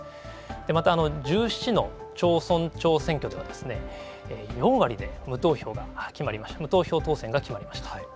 また、１７の町村長選挙では、４割で無投票当選が決まりました。